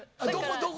どこ？